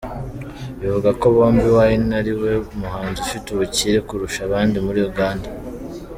Bivugwa ko Bobi Wine ari we muhanzi ufite ubukire kurusha abandi muri Uganda.